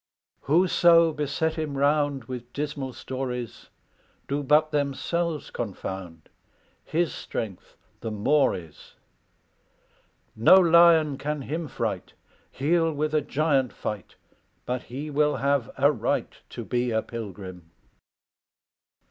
"Whoso beset him round With dismal stories, Do but themselves confound His strength the more is. No lion can him fright; He'll with a giant fight, But he will have a right To be a pilgrim.